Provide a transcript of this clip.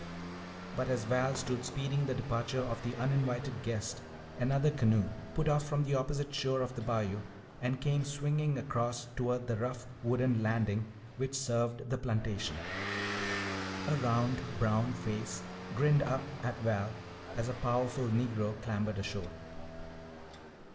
But as Val stood speeding the departure of the uninvited guest, another canoe put off from the opposite shore of the bayou and came swinging across toward the rough wooden landing which served the plantation. A round brown face grinned up at Val as a powerful negro clambered ashore.